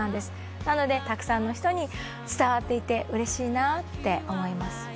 なのでたくさんの人に伝わっていて、うれしいなぁって思います。